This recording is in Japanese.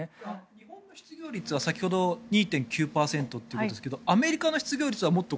日本の失業率は２．９％ということですがアメリカの失業率はもっと。